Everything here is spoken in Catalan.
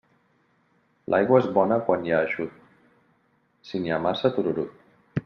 L'aigua és bona quan hi ha eixut; si n'hi ha massa, tururut.